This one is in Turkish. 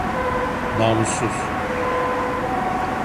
Namussuz!